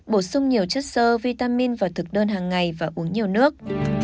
bổ sung nhiều chất sơ vitamin vào thực đơn hàng ngày và uống nhiều nước